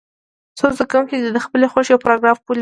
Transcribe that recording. څو زده کوونکي دې د خپلې خوښې یو پاراګراف ولولي.